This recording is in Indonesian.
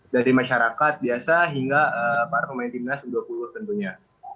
dari masyarakat biasa hingga para pemain timnas u dua puluh tentunya